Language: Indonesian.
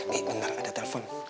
be bentar ada telepon